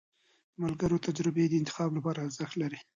د ملګرو تجربې د انتخاب لپاره ارزښت لري.